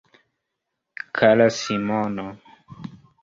Kara Simono.